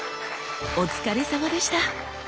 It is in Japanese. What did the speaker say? お疲れさまでした！